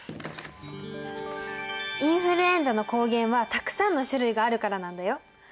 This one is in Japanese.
インフルエンザの抗原はたくさんの種類があるからなんだよ。